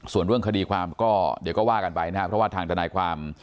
ส่วนเรื่องคดีความก็เดี๋ยวก็ว่ากันไปนะครับเพราะว่าทางทนายความ